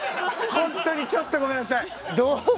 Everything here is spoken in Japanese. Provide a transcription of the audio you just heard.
本当にちょっとごめんなさい。